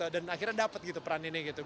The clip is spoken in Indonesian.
dan akhirnya dapet peran ini